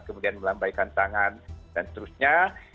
kemudian melambaikan tangan dan seterusnya